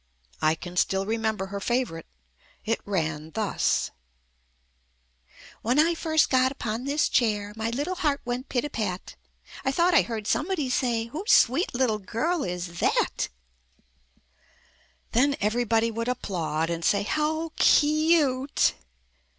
I can still remember her favorite. It ran thus: "When I first got upon this chair My little heart went pit a pat. I thought I heard somebody say Whose sweet little girl is that ?????" JUST ME Then everybody would applaud and say "How cute!"